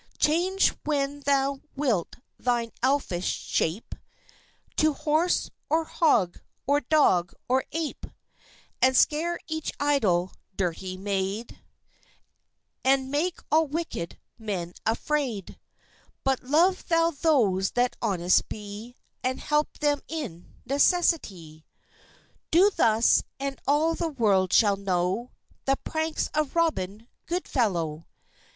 Change when thou wilt thine Elfish shape, To horse, or hog, or dog, or ape; And scare each idle dirty maid, And make all wicked men afraid. But love thou those that honest be, And help them in necessity._ "_Do thus, and all the world shall know The pranks of Robin Goodfellow.